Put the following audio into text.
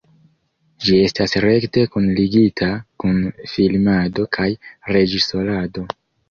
Ĝi estas rekte kunligita kun filmado kaj reĝisorado.